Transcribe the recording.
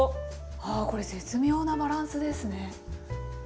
あこれ絶妙なバランスですね。